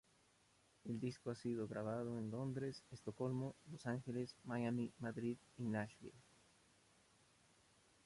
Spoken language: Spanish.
El disco ha sido grabado en Londres, Estocolmo, Los Ángeles, Miami, Madrid y Nashville.